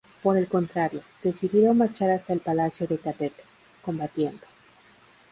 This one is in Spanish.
Por el contrario, decidieron marchar hasta el Palacio de Catete, combatiendo.